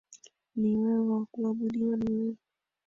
Ni wewe wa kuabudiwa ni wewe.